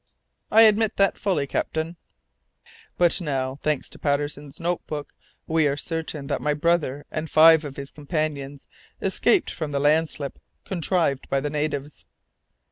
"I admit that, fully, captain." "But now, thanks to Patterson's note book, we are certain that my brother and five of his companions escaped from the landslip contrived by the natives."